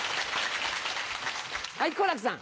はい好楽さん。